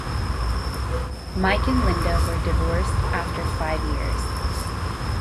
Mike and Linda were divorced after five years.